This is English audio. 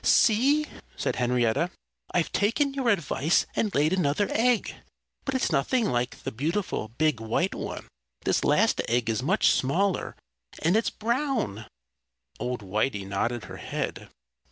"See!" said Henrietta. "I've taken your advice and laid another egg. But it's nothing like the beautiful, big, white one. This last egg is much smaller; and it's brown." Old Whitey nodded her head.